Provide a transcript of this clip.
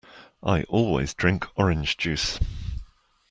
I always drink orange juice.